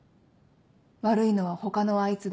「悪いのは他のあいつだ」